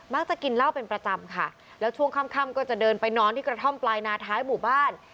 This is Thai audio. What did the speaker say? จะกินเหล้าเป็นประจำค่ะแล้วช่วงค่ำก็จะเดินไปนอนที่กระท่อมปลายนาท้ายหมู่บ้าน